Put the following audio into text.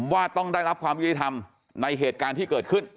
ว่าต้องได้รับความยุติธรรมในเหตุการณ์ที่เกิดขึ้น